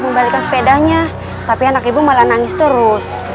membalikan sepedanya tapi anak ibu malah nangis terus